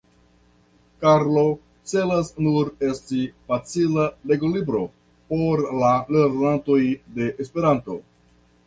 Karlo celas nur esti facila legolibro por la lernantoj de Esperanto.